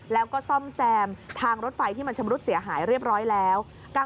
แล้วก็ซ่อมแซมทางรถไฟที่มันชำรุดเสียหายเรียบร้อยแล้ว